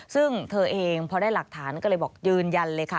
ซึ่งเธอเองพอได้หลักฐานก็เลยบอกยืนยันเลยค่ะ